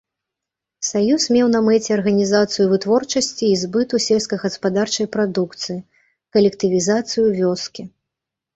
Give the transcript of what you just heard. Саюз меў на мэце арганізацыю вытворчасці і збыту сельскагаспадарчай прадукцыі, калектывізацыю вёскі.